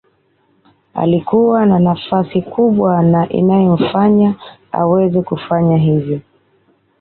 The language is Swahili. Alikuwa na nafasi kubwa na inayomfanya aweze kufanya hivyo